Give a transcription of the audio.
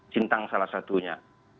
sintang salah satunya